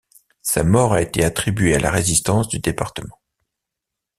Sa mort a été attribuée à la résistance du département.